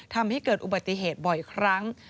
ทำให้เกิดอุบัติเหตุบ่อยครั้ง